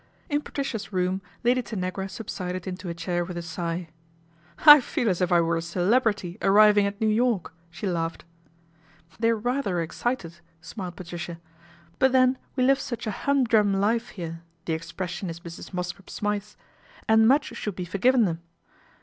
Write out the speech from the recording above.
In Patricia's room Lady Tanagra subsided into a chair with a sigh. " I feel as if I were a celebrity arriving at New York," she laughed. " They're rather excited," smiled Patricia, " but then we live such a humdrum life here the ex pression is Mrs. Mosscrop Smythe's and much should be forgiven them.